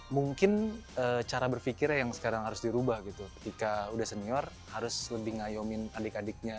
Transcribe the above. mungkin cara berpikirnya yang sekarang harus dirubah gitu ketika udah senior harus lebih ngayomin adik adiknya